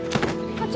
課長？